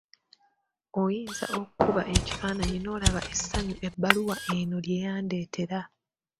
Oyinza okukuba ekifaananyi n'olaba essanyu ebbaluwa eno lye yandeetera.